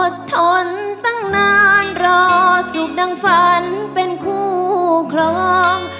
ทนตั้งนานรอสุขดังฝันเป็นคู่ครอง